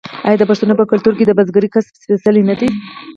آیا د پښتنو په کلتور کې د بزګرۍ کسب سپیڅلی نه دی؟